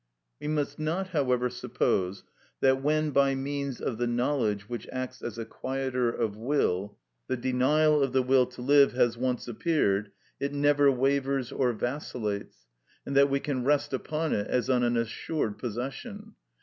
We must not, however, suppose that when, by means of the knowledge which acts as a quieter of will, the denial of the will to live has once appeared, it never wavers or vacillates, and that we can rest upon it as on an assured possession.